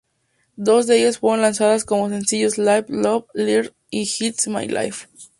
Dos de ellas fueron lanzadas como sencillos: "Live, Love, Learn" y "It's My Life".